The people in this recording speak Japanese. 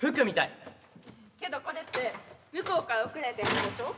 けどこれって向こうから送られたやつでしょ。